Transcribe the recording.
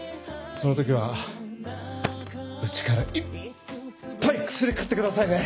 その時はうちからいっぱい薬買ってくださいね！